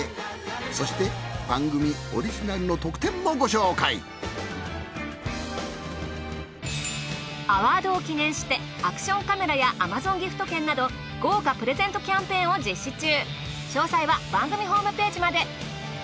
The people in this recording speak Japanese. そして番組オリジナルの特典もご紹介アワードを記念してアクションカメラやＡｍａｚｏｎギフト券など豪華プレゼントキャンペーンを実施中。